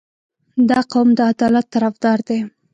• دا قوم د عدالت طرفدار دی.